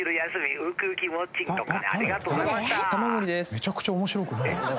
めちゃくちゃ面白くない。